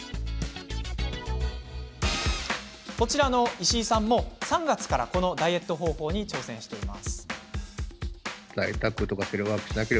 こちらの石井さんも３月からこのダイエット方法に挑戦しています。